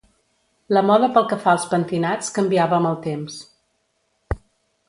La moda pel que fa als pentinats canviava amb el temps.